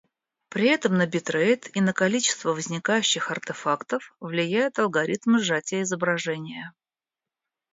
При этом на битрейт и на количество возникающих артефактов влияет алгоритм сжатия изображения